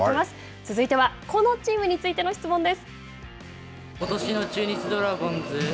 続いてはこのチームについての質問です。